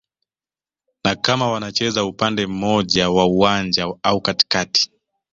na kama wanacheza upande mmoja wa uwanja au katikati